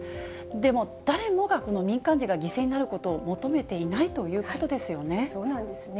でも誰もがこの民間人が犠牲になることを求めていないということそうなんですね。